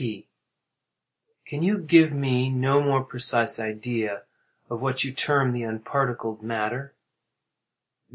P. Can you give me no more precise idea of what you term the unparticled matter?